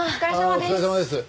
ああお疲れさまです。